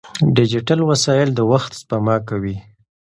ډیجیټل وسایل د وخت سپما کوي.